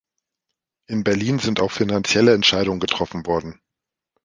In Berlin sind auch finanzielle Entscheidungen getroffen worden.